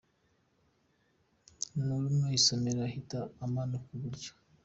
Nurenga isomero uhite umanuka iburyo.